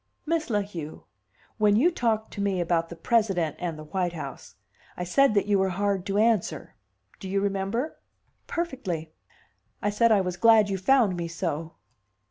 "Miss La Heu, when you talked to me about the President and the White House, I said that you were hard to answer. Do you remember?" "Perfectly. I said I was glad you found me so.